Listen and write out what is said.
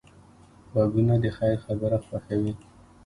غوږونه د خیر خبره خوښوي